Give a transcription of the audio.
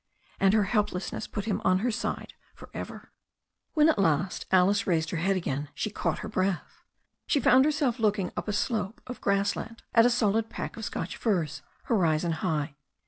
And her helplessness put him on her side for ever. When, at last, Alice raised her head again, she caught her breath. She found herself looking up a slope of grass land at a solid pack of Scotch firs, horizon high.